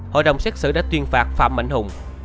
hội đồng xét xử đã tuyên phạt phạm mạnh hùng